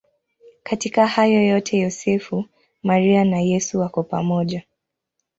Katika hayo yote Yosefu, Maria na Yesu wako pamoja.